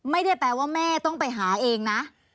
ไม่ได้แปลว่าแม่ต้องไปหาเองนะ